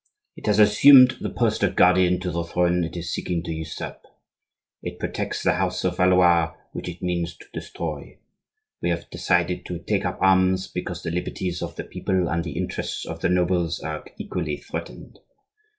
It has assumed the post of guardian to the throne it is seeking to usurp; it protects the house of Valois which it means to destroy. We have decided to take up arms because the liberties of the people and the interests of the nobles are equally threatened.